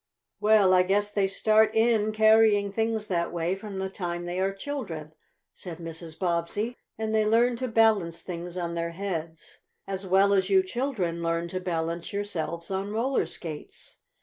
"Well, I guess they start in carrying things that way from the time they are children," said Mrs. Bobbsey, "and they learn to balance things on their heads as well as you children learn to balance yourselves on roller skates.